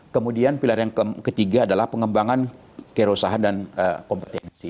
kemudian pilar yang ketiga adalah pengembangan kerosahan dan kompetensi